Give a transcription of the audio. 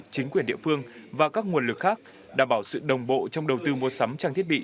chính quyền địa phương và các nguồn lực khác đảm bảo sự đồng bộ trong đầu tư mua sắm trang thiết bị